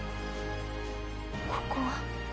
ここは？